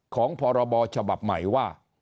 พรบฉบับใหม่ว่า